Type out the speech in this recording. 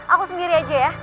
aku sendiri aja ya